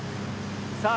さあ